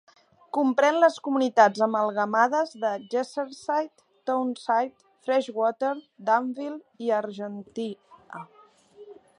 Comprèn les comunitats amalgamades de Jerseyside, Townside, Freshwater, Dunville i Argentia.